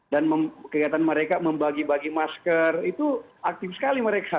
dan kegiatan mereka membagi bagi masker itu aktif sekali mereka